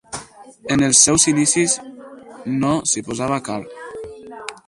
En els seus inicis no s'hi posava carn.